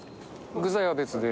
具材は別で。